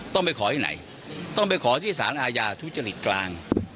ต้องไปขอที่ไหนต้องไปขอที่สารอาญาทุจริตกลาง